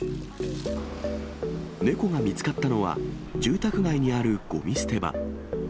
猫が見つかったのは、住宅街にあるごみ捨て場。